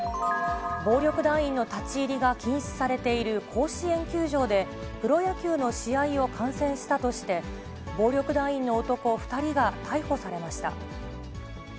暴力団員の立ち入りが禁止されている甲子園球場で、プロ野球の試合を観戦したとして、暴力団員の男２人が逮捕されました。